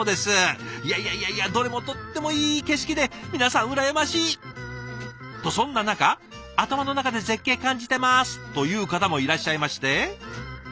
いやいやどれもとってもいい景色で皆さん羨ましい！とそんな中「頭の中で絶景感じてます」という方もいらっしゃいまして。